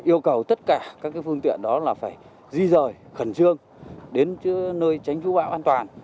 yêu cầu tất cả các phương tiện đó là phải di rời khẩn trương đến nơi tránh chú bão an toàn